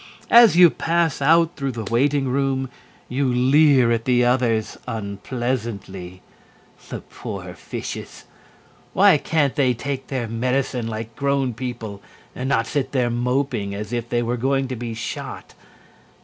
As you pass out through the waiting room, you leer at the others unpleasantly. The poor fishes! Why can't they take their medicine like grown people and not sit there moping as if they were going to be shot?